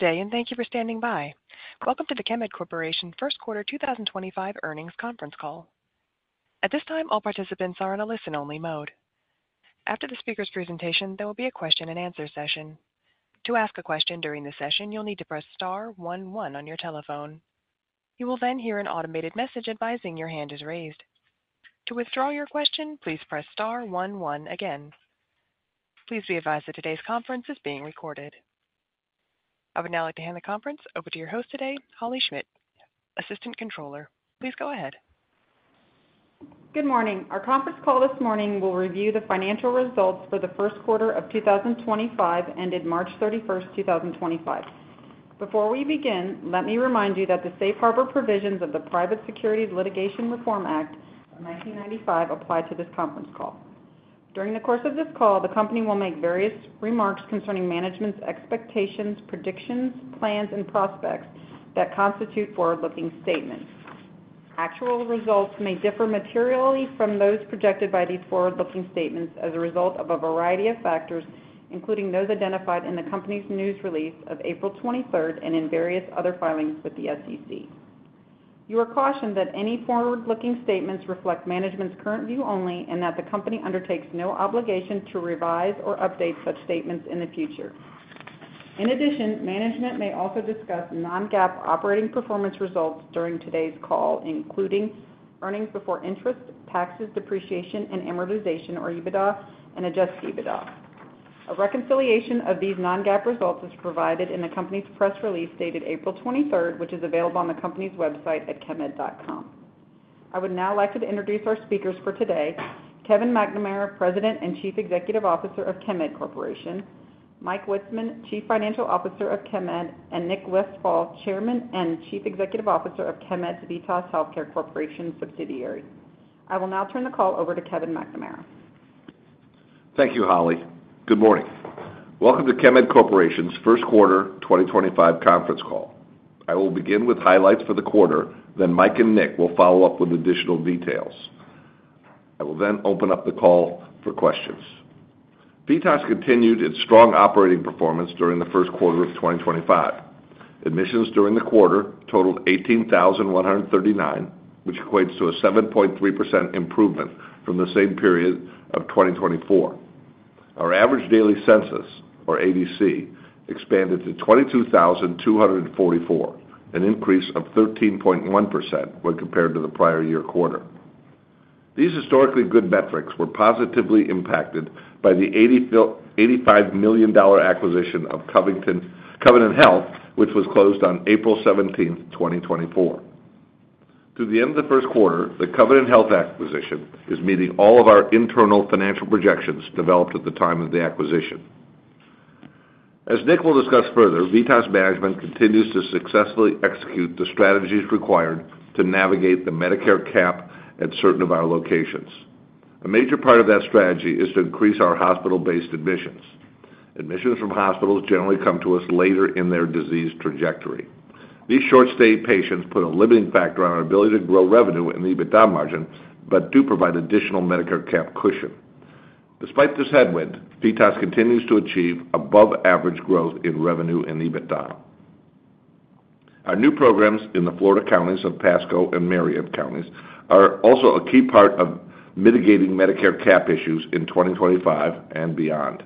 Good day, and thank you for standing by. Welcome to the Chemed Corporation First Quarter 2025 earnings conference call. At this time, all participants are in a listen-only mode. After the speaker's presentation, there will be a question-and-answer session. To ask a question during the session, you'll need to press star one-one on your telephone. You will then hear an automated message advising your hand is raised. To withdraw your question, please press star one-one again. Please be advised that today's conference is being recorded. I would now like to hand the conference over to your host today, Holley Schmidt, Assistant Controller. Please go ahead. Good morning. Our conference call this morning will review the financial results for the first quarter of 2025 ended March 31st, 2025. Before we begin, let me remind you that the Safe Harbor provisions of the Private Securities Litigation Reform Act of 1995 apply to this Conference Call. During the course of this call, the company will make various remarks concerning management's expectations, predictions, plans, and prospects that constitute forward-looking statements. Actual results may differ materially from those projected by these forward-looking statements as a result of a variety of factors, including those identified in the company's news release of April 23rd and in various other filings with the SEC. You are cautioned that any forward-looking statements reflect management's current view only and that the company undertakes no obligation to revise or update such statements in the future. In addition, management may also discuss non-GAAP operating performance results during today's call, including earnings before interest, taxes, depreciation, and amortization or EBITDA, and adjust EBITDA. A reconciliation of these non-GAAP results is provided in the company's press release dated April 23rd, which is available on the company's website at chemed.com. I would now like to introduce our speakers for today: Kevin McNamara, President and Chief Executive Officer of Chemed Corporation, Mike Witzeman, Chief Financial Officer of Chemed, and Nick Westfall, Chairman and Chief Executive Officer of Chemed's VITAS Healthcare Corporation subsidiary. I will now turn the call over to Kevin McNamara. Thank you, Holley. Good morning. Welcome to Chemed Corporation's First Quarter 2025 Conference Call. I will begin with highlights for the quarter, then Mike and Nick will follow up with additional details. I will then open up the call for questions. VITAS continued its strong operating performance during the first quarter of 2025. Admissions during the quarter totaled 18,139, which equates to a 7.3% improvement from the same period of 2024. Our average daily census, or ADC, expanded to 22,244, an increase of 13.1% when compared to the prior year quarter. These historically good metrics were positively impacted by the $85 million acquisition of Covenant Health, which was closed on April 17th, 2024. To the end of the first quarter, the Covenant Health acquisition is meeting all of our internal financial projections developed at the time of the acquisition. As Nick will discuss further, VITAS management continues to successfully execute the strategies required to navigate the Medicare cap at certain of our locations. A major part of that strategy is to increase our hospital-based admissions. Admissions from hospitals generally come to us later in their disease trajectory. These short-stay patients put a limiting factor on our ability to grow revenue in the EBITDA margin but do provide additional Medicare cap cushion. Despite this headwind, VITAS continues to achieve above-average growth in revenue and EBITDA. Our new programs in the Florida counties of Pasco and Marion are also a key part of mitigating Medicare cap issues in 2025 and beyond.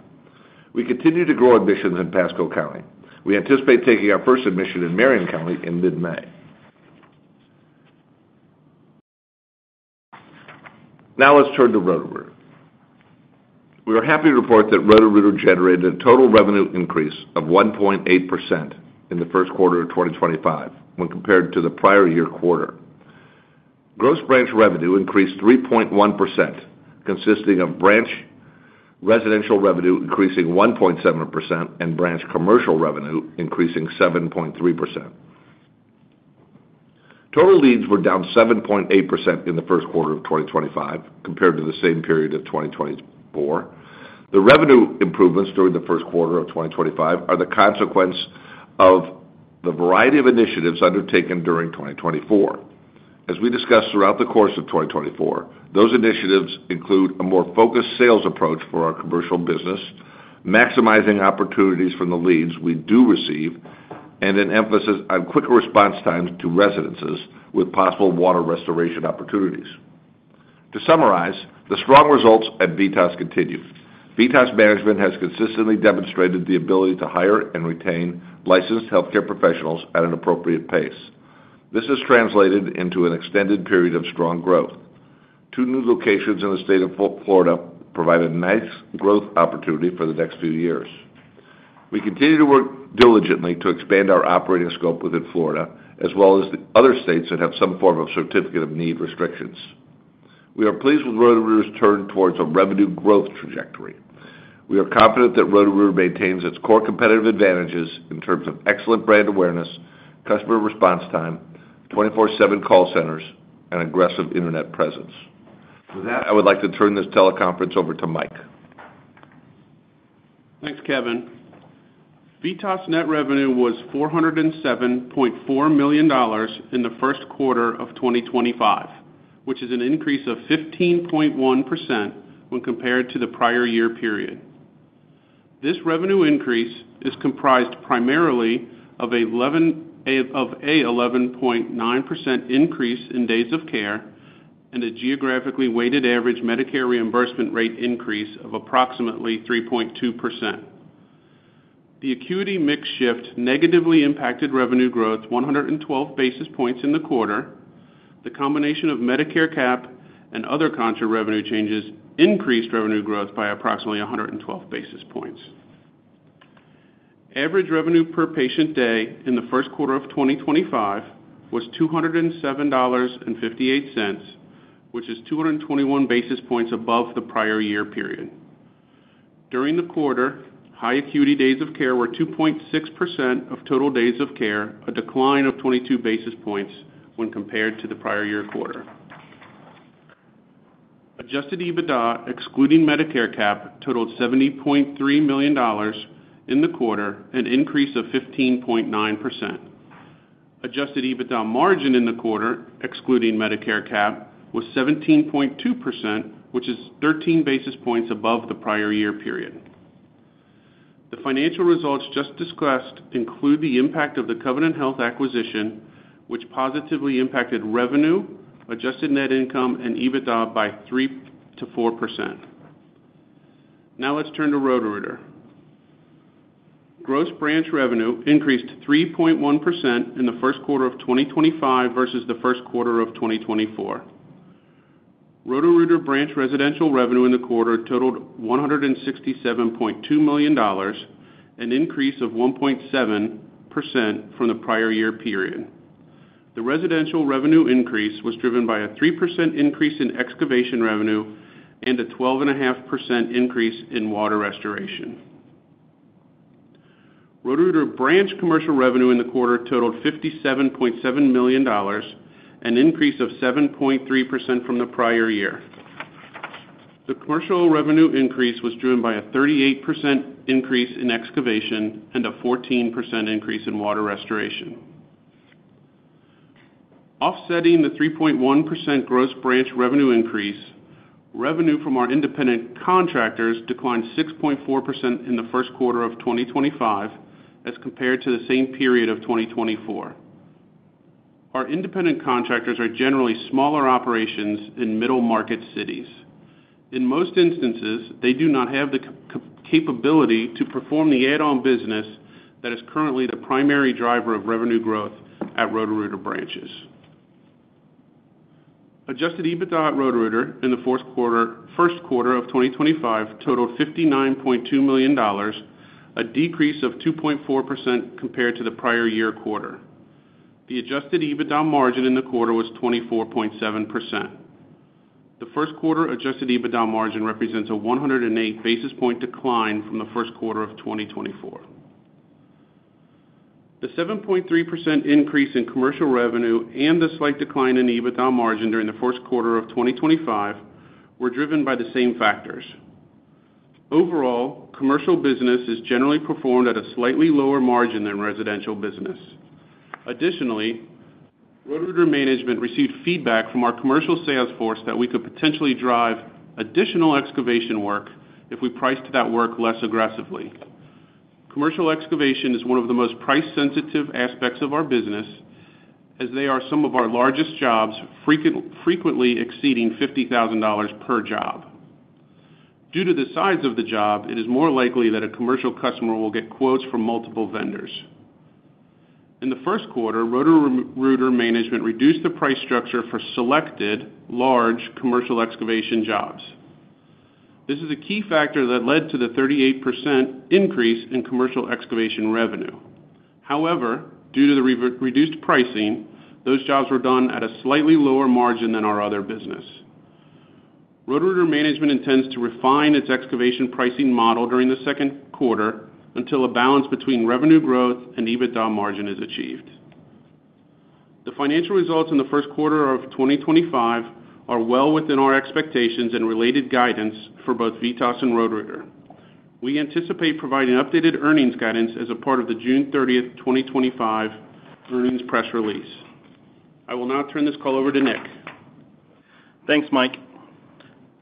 We continue to grow admissions in Pasco County. We anticipate taking our first admission in Marion County in mid-May. Now let's turn to Roto-Rooter. We are happy to report that Roto-Rooter generated a total revenue increase of 1.8% in the first quarter of 2025 when compared to the prior year quarter. Gross branch revenue increased 3.1%, consisting of branch residential revenue increasing 1.7% and branch commercial revenue increasing 7.3%. Total leads were down 7.8% in the first quarter of 2025 compared to the same period of 2024. The revenue improvements during the first quarter of 2025 are the consequence of the variety of initiatives undertaken during 2024. As we discussed throughout the course of 2024, those initiatives include a more focused sales approach for our commercial business, maximizing opportunities from the leads we do receive, and an emphasis on quicker response times to residences with possible water restoration opportunities. To summarize, the strong results at VITAS continue. VITAS management has consistently demonstrated the ability to hire and retain licensed healthcare professionals at an appropriate pace. This has translated into an extended period of strong growth. Two new locations in the state of Florida provide a nice growth opportunity for the next few years. We continue to work diligently to expand our operating scope within Florida, as well as the other states that have some form of certificate of need restrictions. We are pleased with Roto-Rooter's turn towards a revenue growth trajectory. We are confident that Roto-Rooter maintains its core competitive advantages in terms of excellent brand awareness, customer response time, 24/7 call centers, and aggressive internet presence. With that, I would like to turn this teleconference over to Mike. Thanks, Kevin. VITAS net revenue was $407.4 million in the first quarter of 2025, which is an increase of 15.1% when compared to the prior year period. This revenue increase is comprised primarily of an 11.9% increase in days of care and a geographically weighted average Medicare reimbursement rate increase of approximately 3.2%. The acuity mix shift negatively impacted revenue growth 112 basis points in the quarter. The combination of Medicare cap and other contour revenue changes increased revenue growth by approximately 112 basis points. Average revenue per patient day in the first quarter of 2025 was $207.58, which is 221 basis points above the prior year period. During the quarter, high acuity days of care were 2.6% of total days of care, a decline of 22 basis points when compared to the prior year quarter. Adjusted EBITDA, excluding Medicare cap, totaled $70.3 million in the quarter, an increase of 15.9%. Adjusted EBITDA margin in the quarter, excluding Medicare cap, was 17.2%, which is 13 basis points above the prior year period. The financial results just discussed include the impact of the Covenant Health acquisition, which positively impacted revenue, adjusted net income, and EBITDA by 3-4%. Now let's turn to Roto-Rooter. Gross branch revenue increased 3.1% in the first quarter of 2025 versus the first quarter of 2024. Roto-Rooter branch residential revenue in the quarter totaled $167.2 million, an increase of 1.7% from the prior year period. The residential revenue increase was driven by a 3% increase in excavation revenue and a 12.5% increase in water restoration. Roto-Rooter branch commercial revenue in the quarter totaled $57.7 million, an increase of 7.3% from the prior year. The commercial revenue increase was driven by a 38% increase in excavation and a 14% increase in water restoration. Offsetting the 3.1% gross branch revenue increase, revenue from our independent contractors declined 6.4% in the first quarter of 2025 as compared to the same period of 2024. Our independent contractors are generally smaller operations in middle market cities. In most instances, they do not have the capability to perform the add-on business that is currently the primary driver of revenue growth at Roto-Rooter branches. Adjusted EBITDA at Roto-Rooter in the first quarter of 2025 totaled $59.2 million, a decrease of 2.4% compared to the prior year quarter. The adjusted EBITDA margin in the quarter was 24.7%. The first quarter adjusted EBITDA margin represents a 108 basis point decline from the first quarter of 2024. The 7.3% increase in commercial revenue and the slight decline in EBITDA margin during the first quarter of 2025 were driven by the same factors. Overall, commercial business is generally performed at a slightly lower margin than residential business. Additionally, Roto-Rooter management received feedback from our commercial sales force that we could potentially drive additional excavation work if we priced that work less aggressively. Commercial excavation is one of the most price-sensitive aspects of our business, as they are some of our largest jobs, frequently exceeding $50,000 per job. Due to the size of the job, it is more likely that a commercial customer will get quotes from multiple vendors. In the first quarter, Roto-Rooter management reduced the price structure for selected large commercial excavation jobs. This is a key factor that led to the 38% increase in commercial excavation revenue. However, due to the reduced pricing, those jobs were done at a slightly lower margin than our other business. Roto-Rooter management intends to refine its excavation pricing model during the second quarter until a balance between revenue growth and EBITDA margin is achieved. The financial results in the first quarter of 2025 are well within our expectations and related guidance for both VITAS and Roto-Rooter. We anticipate providing updated earnings guidance as a part of the June 30th, 2025 earnings press release. I will now turn this call over to Nick. Thanks, Mike.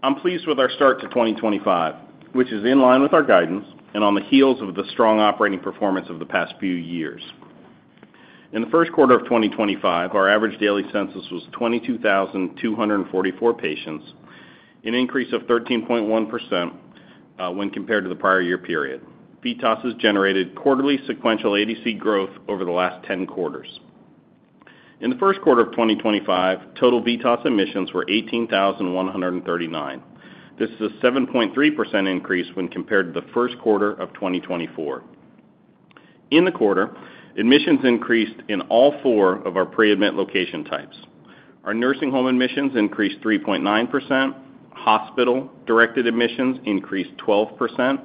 I'm pleased with our start to 2025, which is in line with our guidance and on the heels of the strong operating performance of the past few years. In the first quarter of 2025, our average daily census was 22,244 patients, an increase of 13.1% when compared to the prior year period. VITAS has generated quarterly sequential ADC growth over the last 10 quarters. In the first quarter of 2025, total VITAS admissions were 18,139. This is a 7.3% increase when compared to the first quarter of 2024. In the quarter, admissions increased in all four of our pre-admit location types. Our nursing home admissions increased 3.9%, hospital directed admissions increased 12%,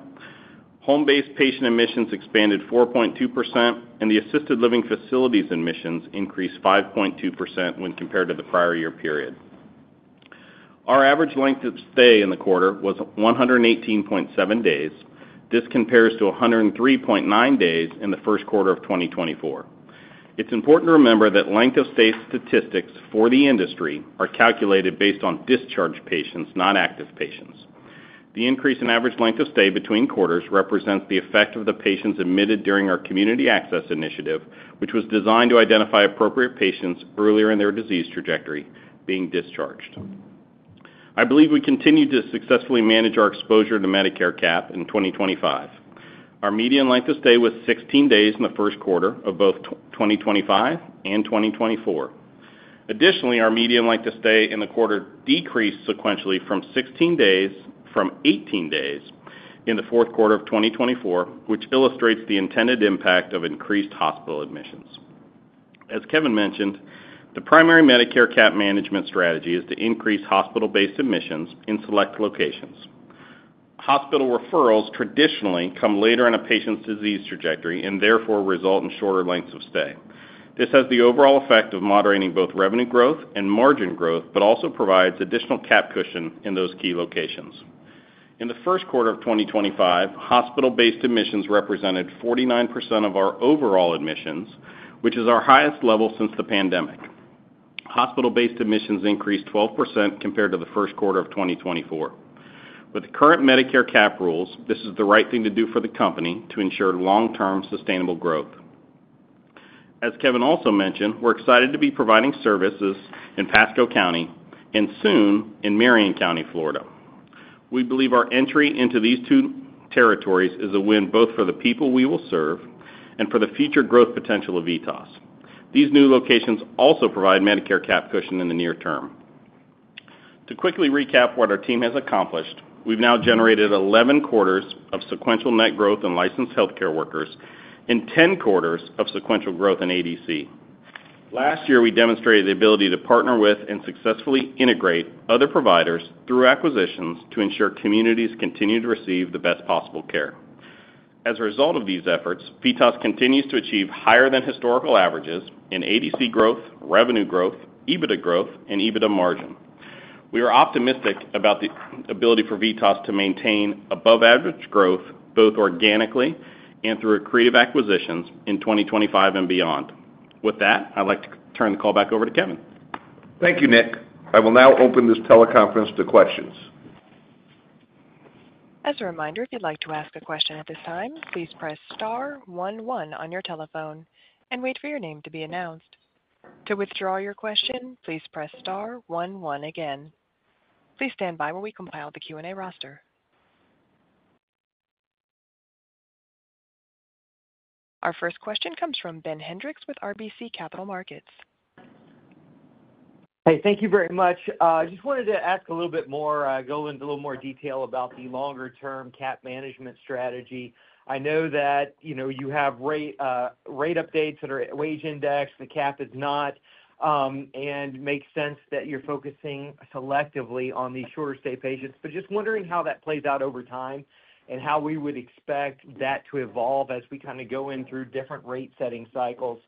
home-based patient admissions expanded 4.2%, and the assisted living facilities admissions increased 5.2% when compared to the prior year period. Our average length of stay in the quarter was 118.7 days. This compares to 103.9 days in the first quarter of 2024. It's important to remember that length of stay statistics for the industry are calculated based on discharged patients, not active patients. The increase in average length of stay between quarters represents the effect of the patients admitted during our community access initiative, which was designed to identify appropriate patients earlier in their disease trajectory being discharged. I believe we continue to successfully manage our exposure to Medicare cap in 2025. Our median length of stay was 16 days in the first quarter of both 2025 and 2024. Additionally, our median length of stay in the quarter decreased sequentially from 16 days from 18 days in the fourth quarter of 2024, which illustrates the intended impact of increased hospital admissions. As Kevin mentioned, the primary Medicare cap management strategy is to increase hospital-based admissions in select locations. Hospital referrals traditionally come later in a patient's disease trajectory and therefore result in shorter lengths of stay. This has the overall effect of moderating both revenue growth and margin growth, but also provides additional cap cushion in those key locations. In the first quarter of 2025, hospital-based admissions represented 49% of our overall admissions, which is our highest level since the pandemic. Hospital-based admissions increased 12% compared to the first quarter of 2024. With current Medicare cap rules, this is the right thing to do for the company to ensure long-term sustainable growth. As Kevin also mentioned, we're excited to be providing services in Pasco County and soon in Marion County, Florida. We believe our entry into these two territories is a win both for the people we will serve and for the future growth potential of VITAS. These new locations also provide Medicare cap cushion in the near term. To quickly recap what our team has accomplished, we've now generated 11 quarters of sequential net growth in licensed healthcare workers and 10 quarters of sequential growth in ADC. Last year, we demonstrated the ability to partner with and successfully integrate other providers through acquisitions to ensure communities continue to receive the best possible care. As a result of these efforts, VITAS continues to achieve higher than historical averages in ADC growth, revenue growth, EBITDA growth, and EBITDA margin. We are optimistic about the ability for VITAS to maintain above-average growth both organically and through creative acquisitions in 2025 and beyond. With that, I'd like to turn the call back over to Kevin. Thank you, Nick. I will now open this teleconference to questions. As a reminder, if you'd like to ask a question at this time, please press star one one on your telephone and wait for your name to be announced. To withdraw your question, please press star 11 again. Please stand by while we compile the Q&A roster. Our first question comes from Ben Hendricks with RBC Capital Markets. Hey, thank you very much. I just wanted to ask a little bit more, go into a little more detail about the longer-term cap management strategy. I know that you have rate updates that are wage index. The cap is not, and it makes sense that you're focusing selectively on these shorter-stay patients. Just wondering how that plays out over time and how we would expect that to evolve as we kind of go in through different rate-setting cycles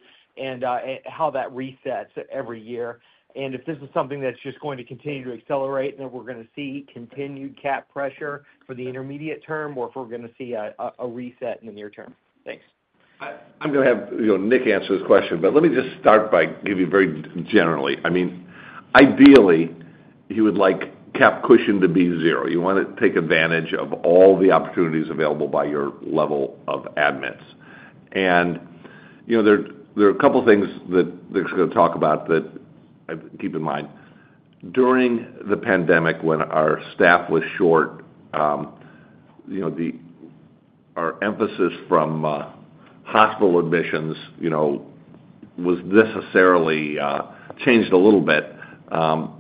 and how that resets every year. If this is something that's just going to continue to accelerate and that we're going to see continued cap pressure for the intermediate term or if we're going to see a reset in the near term. Thanks. I'm going to have Nick answer this question, but let me just start by giving you very generally. I mean, ideally, you would like cap cushion to be zero. You want to take advantage of all the opportunities available by your level of admits. There are a couple of things that Nick's going to talk about that I keep in mind. During the pandemic, when our staff was short, our emphasis from hospital admissions was necessarily changed a little bit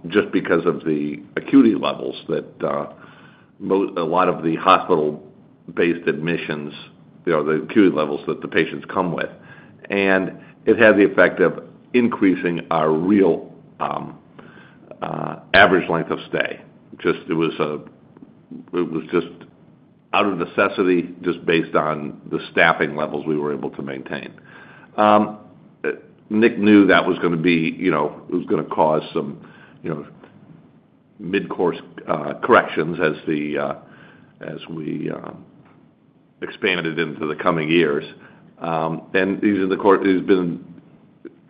just because of the acuity levels that a lot of the hospital-based admissions, the acuity levels that the patients come with. It had the effect of increasing our real average length of stay. It was just out of necessity, just based on the staffing levels we were able to maintain. Nick knew that was going to cause some mid-course corrections as we expanded into the coming years. He's been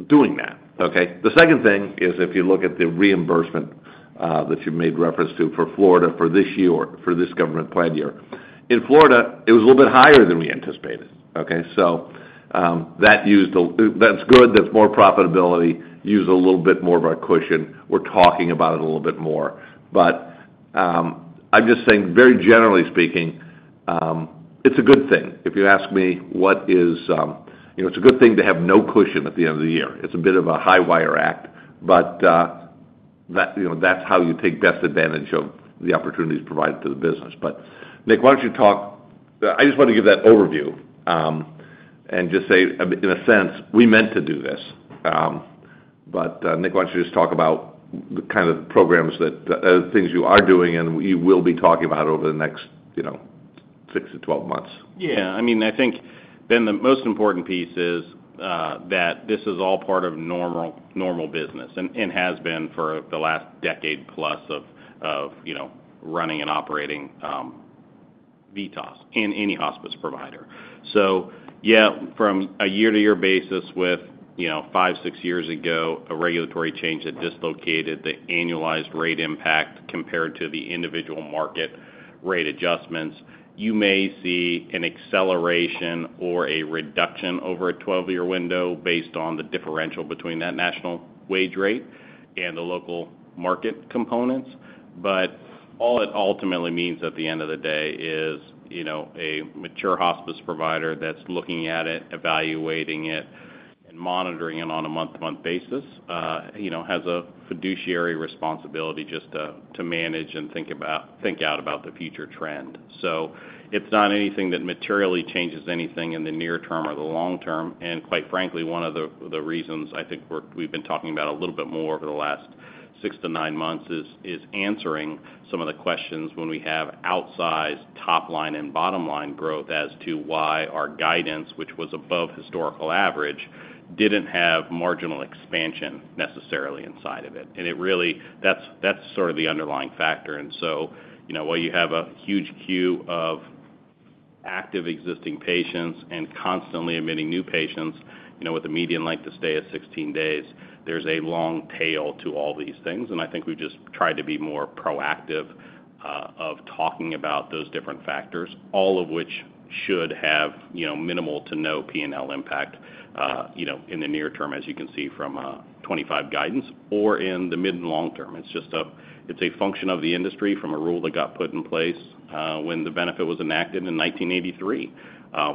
doing that. The second thing is if you look at the reimbursement that you made reference to for Florida for this year, for this government plan year, in Florida, it was a little bit higher than we anticipated. That's good. That's more profitability. Use a little bit more of our cushion. We're talking about it a little bit more. I'm just saying, very generally speaking, it's a good thing. If you ask me, it's a good thing to have no cushion at the end of the year. It's a bit of a high-wire act, but that's how you take best advantage of the opportunities provided to the business. Nick, why don't you talk? I just want to give that overview and just say, in a sense, we meant to do this. Nick, why don't you just talk about the kind of programs that things you are doing and you will be talking about over the next 6 to 12 months? Yeah. I mean, I think then the most important piece is that this is all part of normal business and has been for the last decade plus of running and operating VITAS and any hospice provider. Yeah, from a year-to-year basis with five, six years ago, a regulatory change that dislocated the annualized rate impact compared to the individual market rate adjustments, you may see an acceleration or a reduction over a 12-year window based on the differential between that national wage rate and the local market components. All it ultimately means at the end of the day is a mature hospice provider that's looking at it, evaluating it, and monitoring it on a month-to-month basis has a fiduciary responsibility just to manage and think out about the future trend. It's not anything that materially changes anything in the near term or the long term. Quite frankly, one of the reasons I think we've been talking about it a little bit more over the last six to nine months is answering some of the questions when we have outsized top-line and bottom-line growth as to why our guidance, which was above historical average, did not have marginal expansion necessarily inside of it. That is sort of the underlying factor. While you have a huge queue of active existing patients and constantly admitting new patients with a median length of stay of 16 days, there is a long tail to all these things. I think we've just tried to be more proactive in talking about those different factors, all of which should have minimal to no P&L impact in the near term, as you can see from 2025 guidance or in the mid and long term. It's a function of the industry from a rule that got put in place when the benefit was enacted in 1983,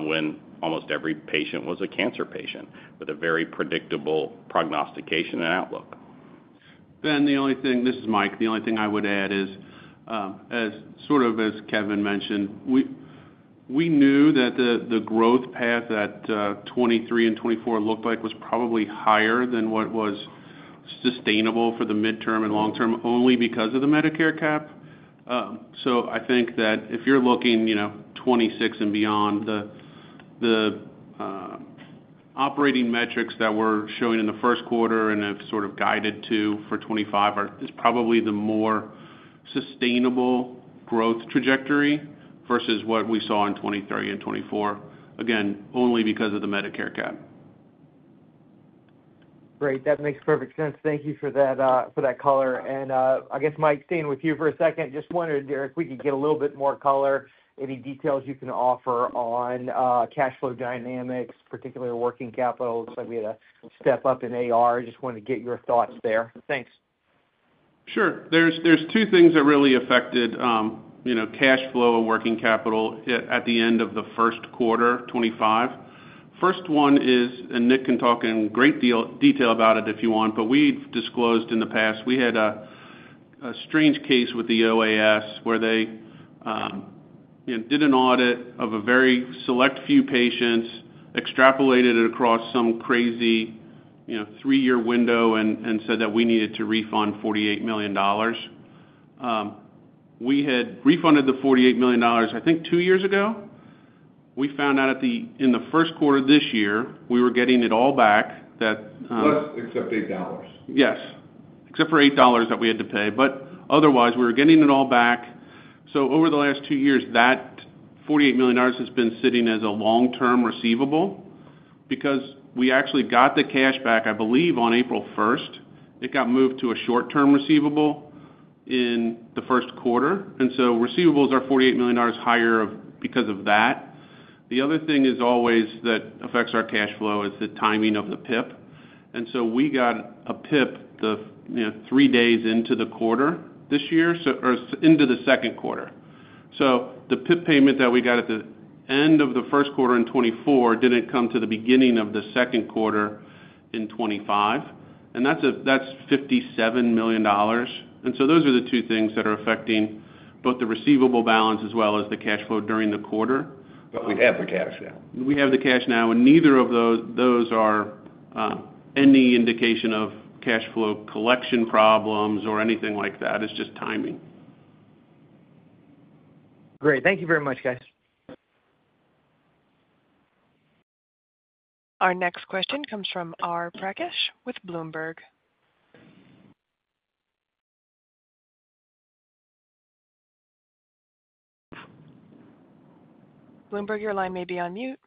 when almost every patient was a cancer patient with a very predictable prognostication and outlook. Ben, the only thing, this is Mike. The only thing I would add is, sort of as Kevin mentioned, we knew that the growth path that 23 and 24 looked like was probably higher than what was sustainable for the midterm and long term only because of the Medicare cap. I think that if you're looking 26 and beyond, the operating metrics that we're showing in the first quarter and have sort of guided to for 25 is probably the more sustainable growth trajectory versus what we saw in 23 and 24, again, only because of the Medicare cap. Great. That makes perfect sense. Thank you for that color. I guess, Mike, staying with you for a second, just wondered if we could get a little bit more color, any details you can offer on cash flow dynamics, particularly working capital. It looks like we had a step up in AR. I just wanted to get your thoughts there. Thanks. Sure. There are two things that really affected cash flow and working capital at the end of the first quarter, 25. First one is, and Nick can talk in great detail about it if you want, but we have disclosed in the past, we had a strange case with the OAS where they did an audit of a very select few patients, extrapolated it across some crazy three-year window, and said that we needed to refund $48 million. We had refunded the $48 million, I think, two years ago. We found out in the first quarter of this year, we were getting it all back. Plus except $8. Yes. Except for $8 that we had to pay. Otherwise, we were getting it all back. Over the last two years, that $48 million has been sitting as a long-term receivable because we actually got the cash back, I believe, on April 1st. It got moved to a short-term receivable in the first quarter. Receivables are $48 million higher because of that. The other thing that always affects our cash flow is the timing of the PIP. We got a PIP three days into the quarter this year, or into the second quarter. The PIP payment that we got at the end of the first quarter in 24 did not come until the beginning of the second quarter in 2025. That is $57 million. Those are the two things that are affecting both the receivable balance as well as the cash flow during the quarter. We have the cash now. We have the cash now. Neither of those are any indication of cash flow collection problems or anything like that. It's just timing. Great. Thank you very much, guys. Our next question comes from R. Prakesh with Bloomberg. Bloomberg, your line may be on mute.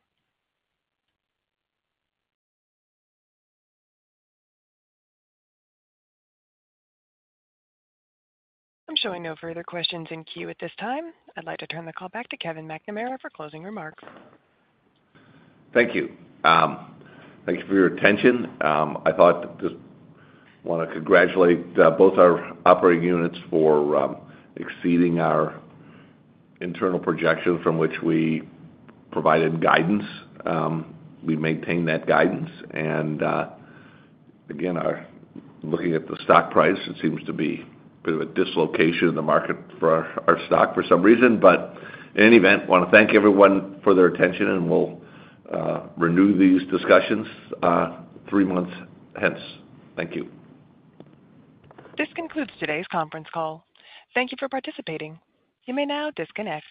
I'm showing no further questions in queue at this time. I'd like to turn the call back to Kevin McNamara for closing remarks. Thank you. Thank you for your attention. I thought I just want to congratulate both our operating units for exceeding our internal projection from which we provided guidance. We maintain that guidance. Looking at the stock price, it seems to be a bit of a dislocation in the market for our stock for some reason. In any event, I want to thank everyone for their attention, and we'll renew these discussions three months hence. Thank you. This concludes today's conference call. Thank you for participating. You may now disconnect.